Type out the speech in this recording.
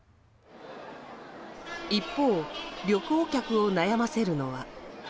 一方、旅行客を悩ませるのは。